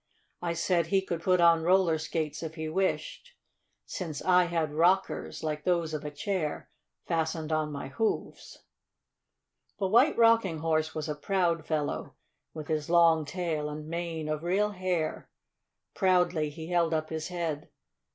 I said he could put on roller skates if he wished, since I had rockers, like those of a chair, fastened on my hoofs." The White Rocking Horse was a proud fellow, with his long tail and mane of real hair. Proudly he held up his head.